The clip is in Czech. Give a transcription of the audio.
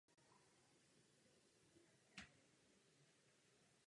Největších úspěchů dosáhl v hale.